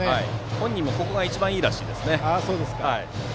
本人もここが一番いいらしいですね。